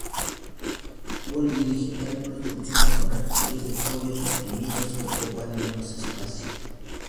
Dolby Digital Plus funciona con archivos de audio comprimidos que ocupan menos espacio.